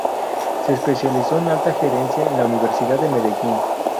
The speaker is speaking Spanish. Se especializó en Alta Gerencia en la Universidad de Medellín.